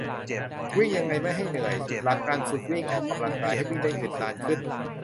วิ่งยังไงไม่ให้เหนื่อย หลักการฝึกวิ่งออกกำลังกาย ให้วิ่งได้อึดนานขึ้น